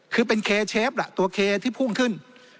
คือเป็นเคเชฟล่ะตัวเคที่พุ่งขึ้น